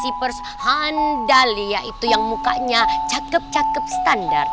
si pers handalia itu yang mukanya cakep cakep standar